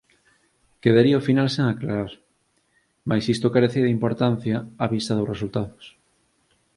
Quedaría o final sen aclarar, mais iso carecía de importancia á vista dos resultados.